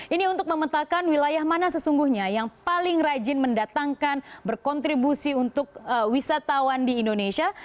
ini untuk memetakan wilayah mana sesungguhnya yang paling rajin mendatangkan berkontribusi untuk wisatawan di indonesia